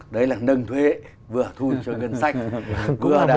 đấy là nâng thuế vừa thu cho ngân sách vừa đảm bảo được